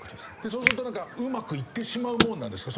そうするとうまくいってしまうものなんですか？